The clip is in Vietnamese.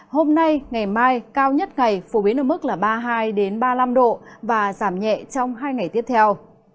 hôm nay ngày mai cao nhất ngày phổ biến ở mức ba mươi hai ba mươi năm độ và giảm nhẹ trong hai ngày tiếp theo